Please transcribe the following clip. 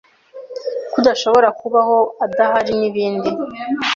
ko udashobora kubaho adahari , n’ibindi.